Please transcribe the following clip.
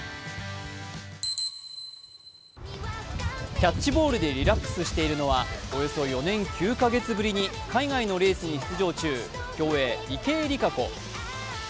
キャッチボールでリラックスしているのはおよそ４年９か月ぶりに海外のレースに出場中競泳・池江璃花子。